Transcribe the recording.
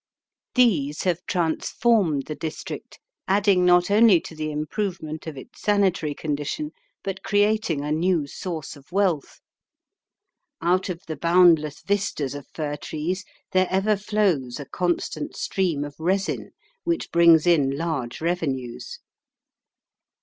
These have transformed the district, adding not only to the improvement of its sanitary condition, but creating a new source of wealth. Out of the boundless vistas of fir trees there ever flows a constant stream of resin, which brings in large revenues.